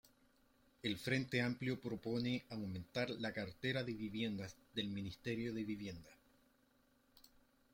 El Frente Amplio propone aumentar la cartera de viviendas del Ministerio de Vivienda.